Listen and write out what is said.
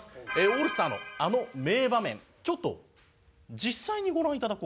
オールスターのあの名場面ちょっと実際にご覧いただこうかなと。